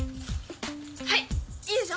はいいいでしょ？